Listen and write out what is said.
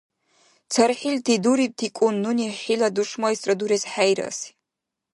– ЦархӀилти дурибтикӀун нуни хӀила душмайсра дурес хӀейраси.